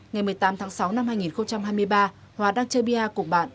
ngày một mươi tám tháng sáu năm hai nghìn hai mươi ba hòa đang chơi bia cùng bạn